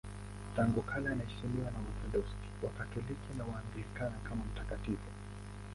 Tangu kale anaheshimiwa na Waorthodoksi, Wakatoliki na Waanglikana kama mtakatifu.